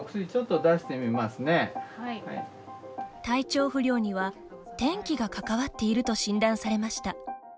体調不良には、天気が関わっていると診断されました。